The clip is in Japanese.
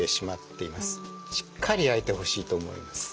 しっかり焼いてほしいと思います。